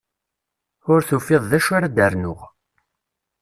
Ur tufiḍ d acu ara d-rnuɣ.